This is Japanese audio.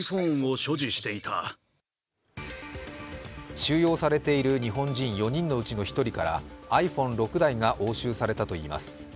収容されている日本人４人のうちの１人からｉＰｈｏｎｅ６台が押収されたといいます。